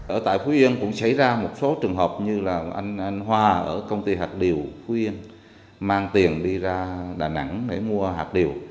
ở tại phú yên cũng xảy ra một số trường hợp như là anh hòa ở công ty hạt điều phú yên mang tiền đi ra đà nẵng để mua hạt điều